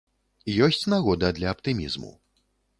Ёсць нагода для аптымізму.